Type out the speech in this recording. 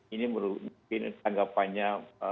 ini mungkin tanggapannya